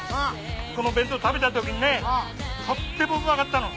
この弁当食べたときにねとってもうまかったの。